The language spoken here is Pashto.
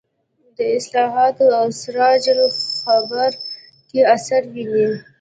د اصلاحاتو او سراج الاخبار کې اثر ویني.